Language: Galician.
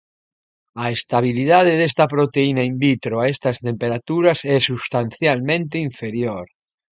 A estabilidade desta proteína in vitro a estas temperaturas é substancialmente inferior.